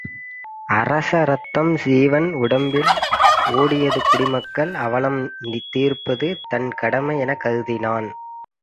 அரச இரத்தம் சீவகன் உடம்பில் ஓடியது குடி மக்கள் அவலம் தீர்ப்பது தன் கடமை எனக் கருதினான்.